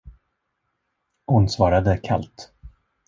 Hon svarade kallt.